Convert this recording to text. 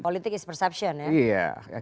politik is perception ya